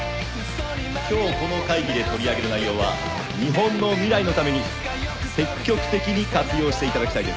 今日この会議で取り上げる内容は日本の未来のために積極的に活用していただきたいです。